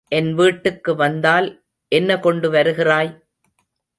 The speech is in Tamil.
என் வீட்டுக்கு வந்தால் என்ன கொண்டு வருகிறாய்?